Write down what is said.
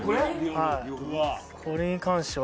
はいこれに関しては